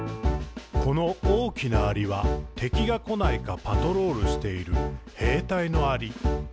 「この大きなアリは、敵がこないか、パトロールしている兵隊のアリ。」